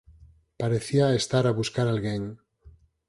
Parecía estar a buscar alguén.